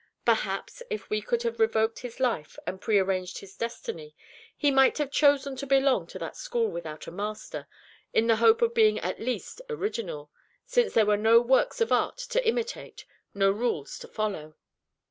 Perhaps, if he could have revoked his life and prearranged his destiny, he might have chosen to belong to that school without a master, in the hope of being at least original, since there were no works of art to imitate, nor rules to follow.